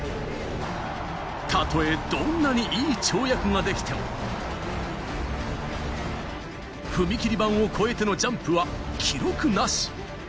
たとえどんなにいい跳躍ができても踏み切り版を越えてのジャンプは記録なし。